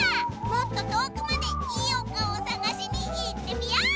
もっととおくまでいいおかおさがしにいってみよう！